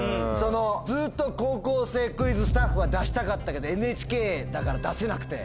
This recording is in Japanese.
ずっと『高校生クイズ』スタッフは出したかったけどＮＨＫだから出せなくて。